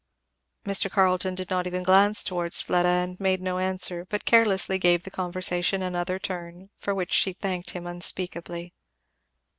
Mr. Carleton did not even glance towards Fleda and made no answer, but carelessly gave the conversation another turn; for which she thanked him unspeakably.